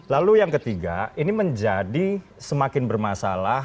lalu yang ketiga ini menjadi semakin bermasalah